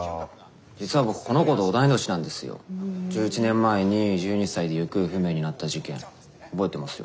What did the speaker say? １１年前に１２歳で行方不明になった事件覚えてますよ。